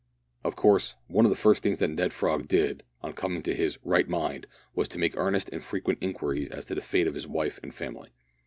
Of course, one of the first things that Ned Frog did, on coming to his "right mind," was to make earnest and frequent inquiries as to the fate of his wife and family.